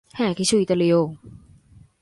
হ্যাঁ, কিছু ইতালীয়ও।